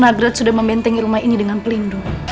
nabrad sudah membentengi rumah ini dengan pelindung